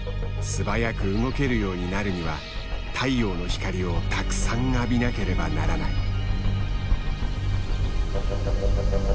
素早く動けるようになるには太陽の光をたくさん浴びなければならない。